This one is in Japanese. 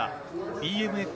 ＢＭＸ